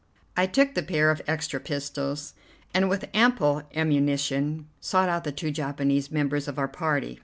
I took the pair of extra pistols, and, with ample ammunition, sought out the two Japanese members of our party.